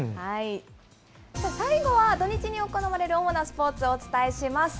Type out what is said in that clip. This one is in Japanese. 最後は、土日に行われる主なスポーツをお伝えします。